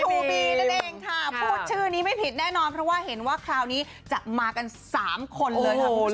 พูดชื่อนี้ไม่ผิดแน่นอนเพราะว่าเห็นว่าคราวนี้จะมากันสามคนเลยค่ะผู้ชม